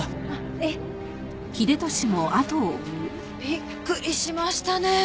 ええ。びっくりしましたね。